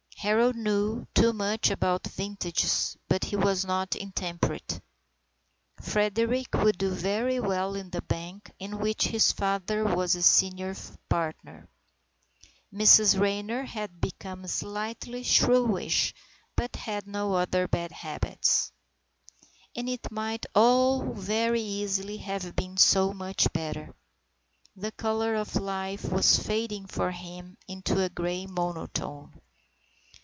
Harold knew too much about vintages, but he was not intemperate. Frederick would do very well in the bank in which his father was a senior partner. Mrs Raynor had become slightly shrewish, but had no other bad habits. And it might all very easily have been so much better. The colour of life was fading for him into a grey monotone.